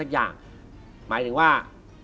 หมายถึงว่า